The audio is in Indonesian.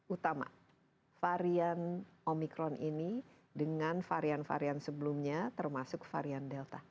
utama varian omikron ini dengan varian varian sebelumnya termasuk varian delta